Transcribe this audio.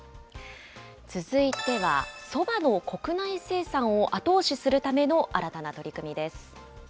続いては、そばの国内生産を後押しするための新たな取り組み